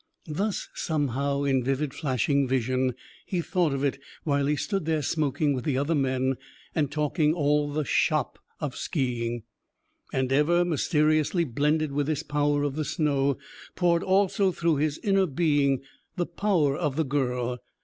Thus, somehow, in vivid flashing vision, he thought of it while he stood there smoking with the other men and talking all the "shop" of ski ing. And, ever mysteriously blended with this power of the snow, poured also through his inner being the power of the girl.